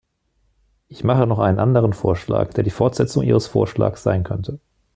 Ich mache noch einen anderen Vorschlag, der die Fortsetzung Ihres Vorschlags sein könnte.